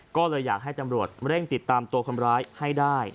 ก็เลยอยากให้ตำรวจเร่งติดตามตัวคนร้ายให้ได้